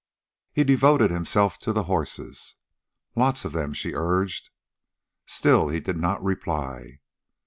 He devoted himself to the horses. "Lots of them," she urged. Still he did not reply.